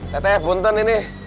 teh teh funtan ini